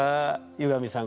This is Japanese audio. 湯上さん